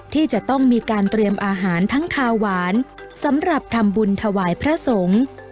ที่จะต้องมีการเตรียมอาหารทั้งคาหวานสำหรับทำบุญถวายพระสงฆ์